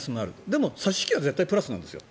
でも、差し引きは絶対にプラスなんですよ